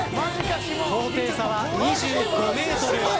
高低差は２５ｍ。